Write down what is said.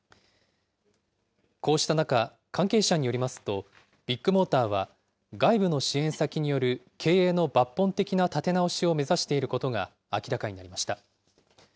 こうした中、関係者によりますと、ビッグモーターは、外部の支援先による経営の抜本的な立て直しを目指していることが明らかになりました。